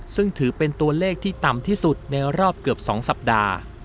ซึ่งถือเป็นตัวเลขที่ต่ำที่สุดในรอบเกือบ๒สัปดาห์